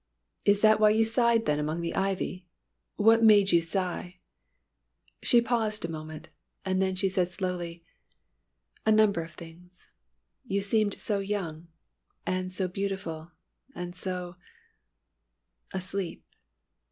"Is that why you sighed then among the ivy? What made you sigh?" She paused a moment, and then she said slowly: "A number of things. You seemed so young, and so beautiful, and so asleep."